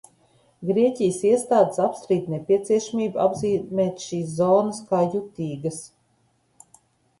Grieķijas iestādes apstrīd nepieciešamību apzīmēt šīs zonas kā jutīgas.